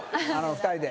２人で。